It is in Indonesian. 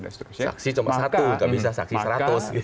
saksi cuma satu bisa saksi seratus